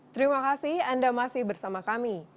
terima kasih anda masih bersama kami